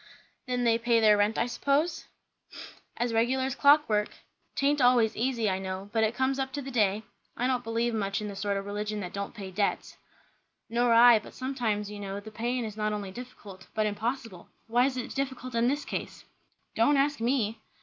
"Then they pay their rent, I suppose?" "As regular as clockwork. 'Taint always easy, I know; but it comes up to the day. I don't believe much in the sort o' religion that don't pay debts." "Nor I; but sometimes, you know, the paying is not only difficult but impossible. Why is it difficult in this case?" "Don't ask _me!